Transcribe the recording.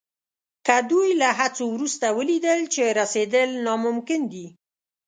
که دوی له هڅو وروسته ولیدل چې رسېدل ناممکن دي.